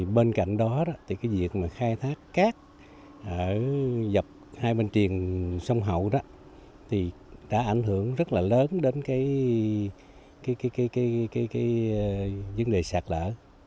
bên cạnh đó việc khai thác cát dọc hai bên triền sông hậu đã ảnh hưởng rất lớn đến vấn đề sạt lở